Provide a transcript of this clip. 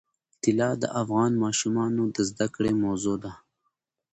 طلا د افغان ماشومانو د زده کړې موضوع ده.